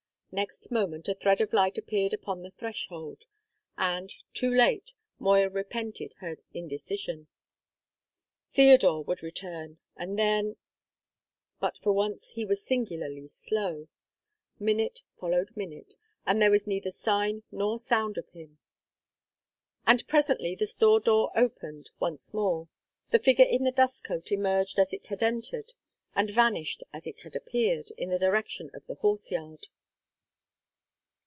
Next moment a thread of light appeared upon the threshold; and, too late, Moya repented her indecision. Theodore would return, and then But for once he was singularly slow; minute followed minute, and there was neither sign nor sound of him. And presently the store door opened once more; the figure in the dust coat emerged as it had entered; and vanished as it had appeared, in the direction of the horse yard.